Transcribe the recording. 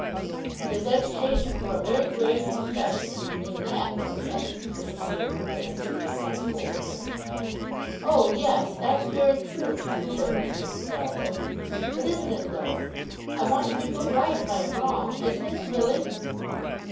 'It is education for a very grave profession, if you mean that, Rosa,' Mrs. Steerforth answered with some coldness. 'Oh! Yes! That's very true,' returned Miss Dartle. 'But isn't it, though? I want to be put right, if I am wrong isn't it, really?